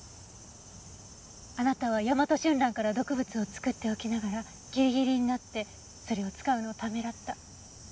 あなたはヤマトシュンランから毒物を作っておきながらギリギリになってそれを使うのをためらった。